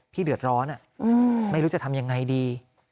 เดือดร้อนไม่รู้จะทำยังไงดี